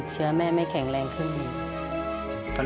เชื้อแม่ไม่แข็งแรงครึ่งหนึ่ง